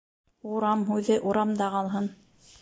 Урам һүҙе урамда ҡалһын.